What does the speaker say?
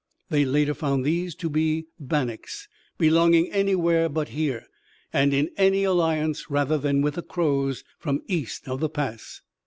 They later found these to be Bannacks, belonging anywhere but here, and in any alliance rather than with the Crows from east of the Pass.